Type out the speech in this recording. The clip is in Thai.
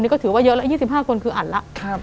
ก็ถือว่าเยอะแล้ว๒๕คนคืออัดแล้ว